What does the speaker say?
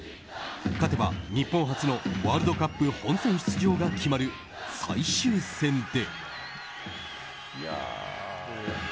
勝てば日本初のワールドカップ本選出場が決まる最終戦で。